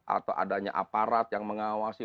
atau adanya aparat yang mengawasi